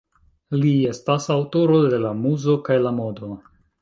Li estas aŭtoro de ""La Muzo kaj la Modo"".